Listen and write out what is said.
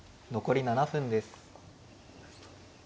残り７分です。